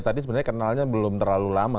tadi sebenarnya kenalnya belum terlalu lama